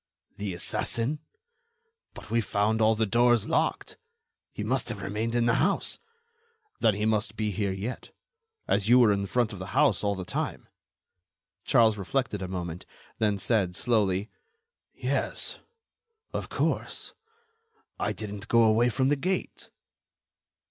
"The assassin." "But we found all the doors locked." "He must have remained in the house." "Then he must be here yet, as you were in front of the house all the time." Charles reflected a moment, then said, slowly: "Yes ... of course.... I didn't go away from the gate."